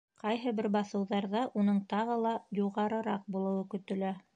Ҡайһы бер баҫыуҙарҙа уның тағы ла юғарыраҡ булыуы көтөлә.